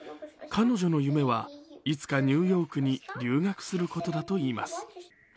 彼女の夢は、いつかニューヨークに留学することだといいます。